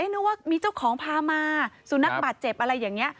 นึกว่ามีเจ้าของพามาสุนัขบาดเจ็บอะไรอย่างนี้